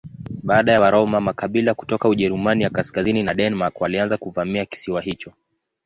Baada ya Waroma makabila kutoka Ujerumani ya kaskazini na Denmark walianza kuvamia kisiwa hicho.